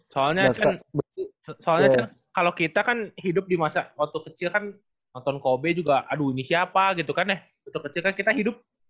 soalnya kan soalnya kalau kita kan hidup di masa waktu kecil kan nonton kobe juga aduh ini siapa gitu kan eh waktu kecil kan kita hidup